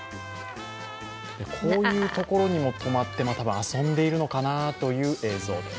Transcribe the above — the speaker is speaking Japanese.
こういうところにも止まって遊んでいるのかなという映像です。